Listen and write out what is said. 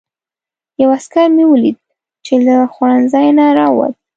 یو عسکر مې ولید چې له خوړنځای نه راووت.